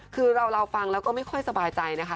คือเราฟังแล้วก็ไม่ค่อยสบายใจนะคะ